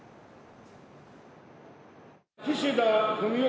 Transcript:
岸田文雄